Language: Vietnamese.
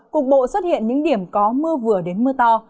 cục bộ xuất hiện những điểm có mưa vừa đến mưa to